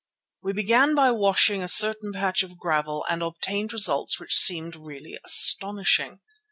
We began by washing a certain patch of gravel and obtained results which seemed really astonishing.